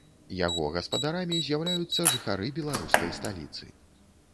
Яго гаспадарамі з'яўляюцца жыхары беларускай сталіцы.